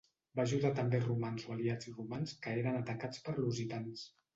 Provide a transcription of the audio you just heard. Va ajudar també a romans o aliats romans que eren atacats pels lusitans.